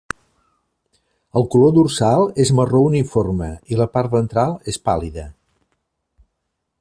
El color dorsal és marró uniforme i la part ventral és pàl·lida.